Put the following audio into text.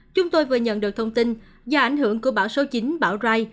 chúng tôi vừa nhận được thông tin do ảnh hưởng của bão số chín bão rai